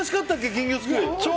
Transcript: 金魚すくい。